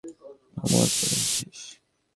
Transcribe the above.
Homework করে এসেছিস?